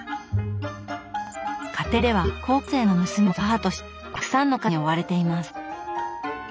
家庭では高校生の娘を持つ母としてたくさんの家事に追われています。